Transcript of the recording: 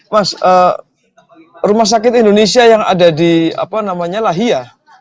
mas rumah sakit indonesia yang ada di apa namanya lahia